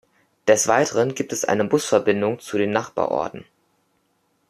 Des Weiteren gibt es eine Busverbindung zu den Nachbarorten.